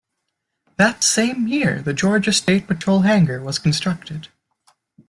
That same year, the Georgia State Patrol Hangar was constructed.